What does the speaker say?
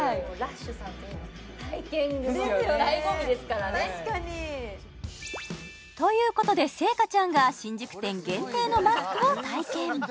めっちゃ気になるということで星夏ちゃんが新宿店限定のマスクを体験